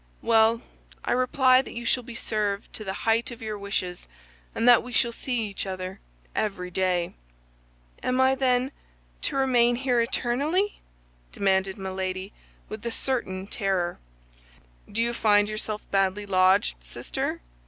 "Well, I reply that you shall be served to the height of your wishes, and that we shall see each other every day." "Am I, then, to remain here eternally?" demanded Milady, with a certain terror. "Do you find yourself badly lodged, sister?